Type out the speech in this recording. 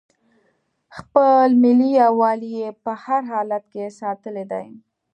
خپل ملي یووالی یې په هر حالت کې ساتلی دی.